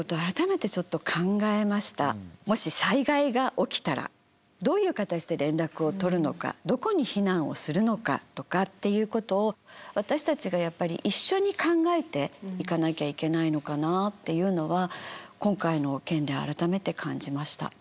もし災害が起きたらどういう形で連絡をとるのかどこに避難をするのかとかっていうことを私たちがやっぱり一緒に考えていかなきゃいけないのかなっていうのは今回の件で改めて感じました。